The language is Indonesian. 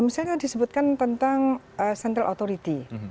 misalnya disebutkan tentang central authority